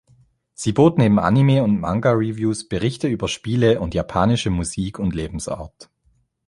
Sie bot neben Anime- und Manga-Reviews Berichte über Spiele und japanische Musik und Lebensart.